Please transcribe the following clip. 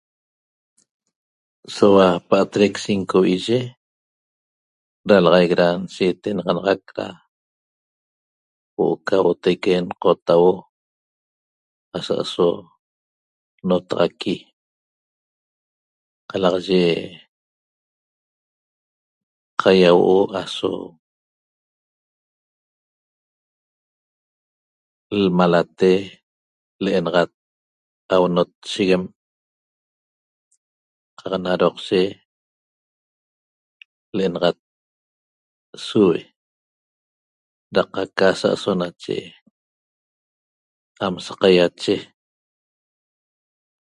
Soua paatrec cinco vi'iye ralaxaic na shetenaxanaxac da huo'o ca huotaique nqotahuo asa aso notaxaqui qalaxaye qaiahuo'o aso lmalate le'enaxat ahuonotsheguem qaq na roqshe le'enaxat sube ra qaca sa aso nache am qaiache saqaiache